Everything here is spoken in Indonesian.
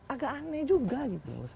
agak aneh juga gitu